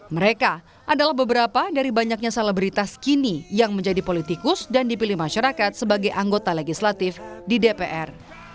mereka adalah beberapa dari banyaknya selebritas kini yang menjadi politikus dan dipilih masyarakat sebagai anggota legislatif di dpr